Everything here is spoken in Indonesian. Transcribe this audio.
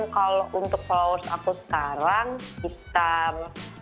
kalau untuk followers aku sekarang sekitar lima sepuluh